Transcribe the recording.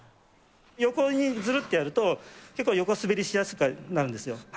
横にずるってやると、結構、横滑りしやすくなるんですよ。